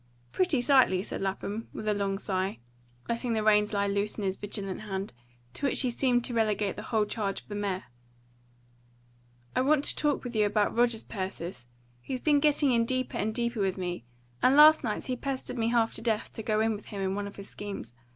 "Pretty sightly," said Lapham, with a long sigh, letting the reins lie loose in his vigilant hand, to which he seemed to relegate the whole charge of the mare. "I want to talk with you about Rogers, Persis. He's been getting in deeper and deeper with me; and last night he pestered me half to death to go in with him in one of his schemes.